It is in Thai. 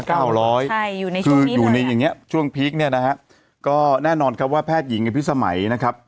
คืออยู่ในอย่างเงี้ยช่วงพีคเนี่ยนะฮะก็แน่นอนครับว่าแพทย์หญิงอภิษมัยนะครับ